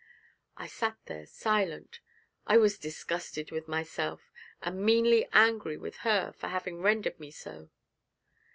I sat there silent. I was disgusted with myself, and meanly angry with her for having rendered me so.